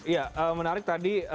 ya menarik tadi